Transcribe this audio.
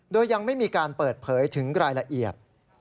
โดยยังไม่มีการเปิดเผยถึงรายละเอียด